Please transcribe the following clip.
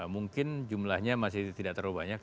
mungkin jumlahnya masih tidak terlalu banyak